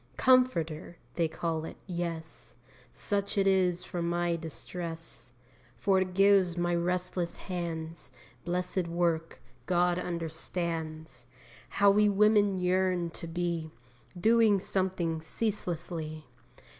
'Comforter' they call it yes, Such it is for my distress, For it gives my restless hands Blessed work. God understands How we women yearn to be Doing something ceaselessly.